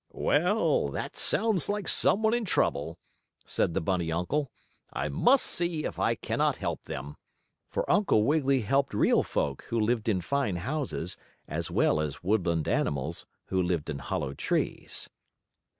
"Well, that sounds like some one in trouble," said the bunny uncle. "I must see if I cannot help them," for Uncle Wiggily helped real folk, who lived in fine houses, as well as woodland animals, who lived in hollow trees.